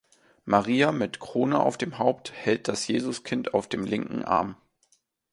Maria mit Krone auf dem Haupt hält das Jesuskind auf dem linken Arm.